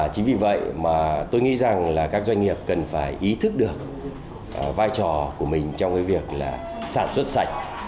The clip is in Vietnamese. chính vì vậy mà tôi nghĩ rằng là các doanh nghiệp cần phải ý thức được vai trò của mình trong cái việc là sản xuất sạch